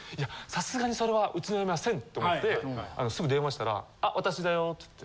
さすがにそれはうちの嫁はせんと思ってあのすぐ電話したら。